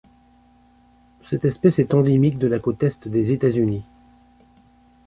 Cette espèce est endémique de la côte Est des États-Unis.